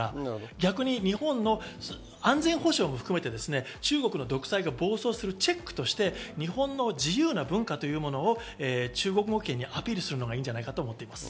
逆に日本の安全保障も含めて、中国の独裁が暴走するチェックとして、日本の自由な文化というものを中国王権にアピールするのがいいかと思っています。